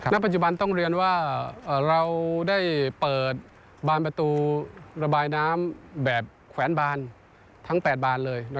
ณปัจจุบันต้องเรียนว่าเราได้เปิดบานประตูระบายน้ำแบบแขวนบานทั้ง๘บานเลย